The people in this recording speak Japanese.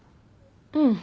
うん。